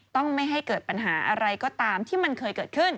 ไม่ให้เกิดปัญหาอะไรก็ตามที่มันเคยเกิดขึ้น